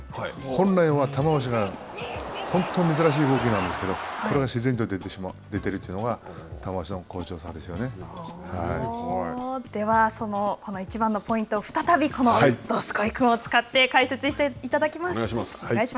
本来は玉鷲が本当珍しい動きなんですけどこれが自然と出てるというのがではこの一番のポイント、再びこのどすこい君を使って解説していただきます。